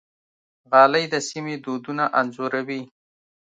غالۍ د سیمې دودونه انځوروي.